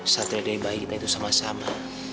satria dan bayi kita itu sama sama